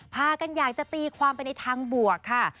พากันอยากจะตีความไปในทางบวกค่ะ